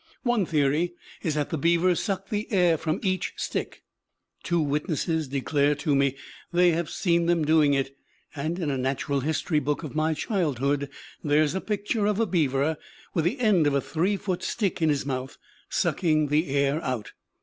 One theory is that the beavers suck the air from each stick. Two witnesses declare to me they have seen them doing it; and in a natural history book of my childhood there is a picture of a beaver with the end of a three foot stick in his mouth, sucking the air out.